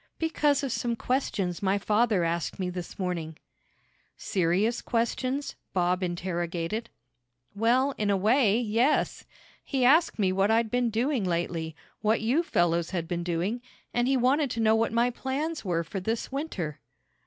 "Because of some questions my father asked me this morning." "Serious questions?" Bob interrogated. "Well, in a way, yes. He asked me what I'd been doing lately, what you fellows had been doing, and he wanted to know what my plans were for this winter."